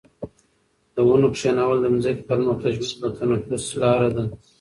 د ونو کښېنول د ځمکې پر مخ د ژوند د تنفس لاره ده.